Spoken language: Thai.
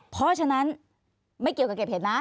เพราะฉะนั้นไม่เกี่ยวกับเก็บเห็ดนะ